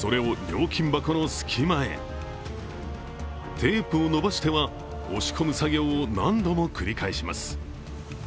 テープを伸ばしては押し込む作業を何度も繰り返します。